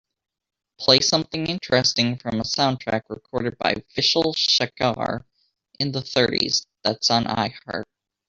Play something interesting from a soundtrack recorded by Vishal-shekhar in the thirties that's on Iheart